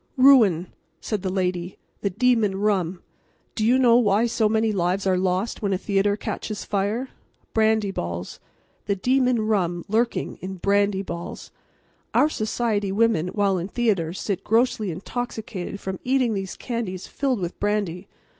"Rum," said the lady—"the demon rum. Do you know why so many lives are lost when a theatre catches fire? Brandy balls. The demon rum lurking in brandy balls. Our society women while in theatres sit grossly intoxicated from eating these candies filled with brandy.